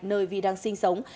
nơi vy đang sinh sống